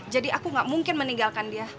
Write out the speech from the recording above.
jadi aku gak mungkin meninggalkan dia